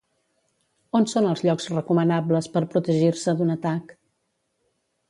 On són els llocs recomanables per protegir-se d'un atac?